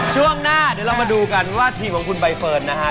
ช่วงหน้าเดี๋ยวเรามาดูกันว่าทีมของคุณใบเฟิร์นนะฮะ